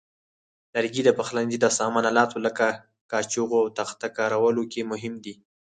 لرګي د پخلنځي د سامان آلاتو لکه کاشوغو او تخته کارولو کې مهم دي.